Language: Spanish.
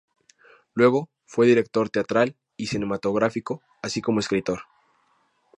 Luego fue director teatral y cinematográfico, así como escritor.